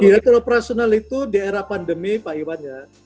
ya kalau operasional itu di era pandemi pak iwan ya